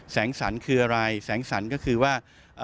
แสงสันคืออะไรแสงสันก็คือว่า